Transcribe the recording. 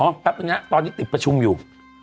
แป๊บนึงนะตอนนี้ติดประชุมอยู่